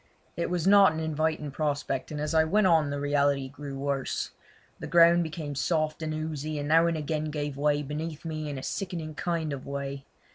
It was not an inviting prospect, and as I went on the reality grew worse. The ground became soft and oozy, and now and again gave way beneath me in a sickening kind of way.